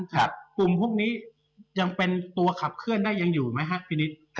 กลุ่มพวกนี้ยังเป็นตัวขับเคลื่อนได้ยังอยู่ไหมฮะพี่นิด